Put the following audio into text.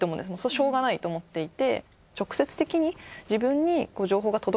しようがないと思っていて。